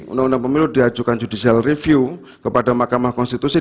undang undang pemilu diajukan judicial review kepada mahkamah konstitusi